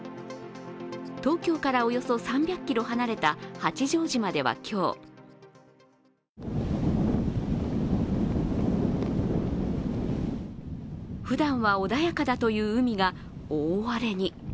東京からおよそ３００ｋｍ離れた八丈島では今日ふだんは穏やかだという海が大荒れに。